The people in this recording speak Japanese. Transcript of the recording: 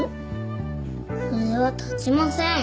筆は立ちません。